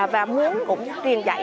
và muốn cũng truyền dạy